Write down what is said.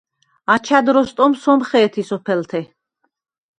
აჩა̈დ როსტომ სომხე̄თი სოფელთე.